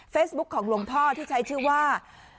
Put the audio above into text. เฟซบุ๊คของลงท่อที่ใช้ชื่อว่า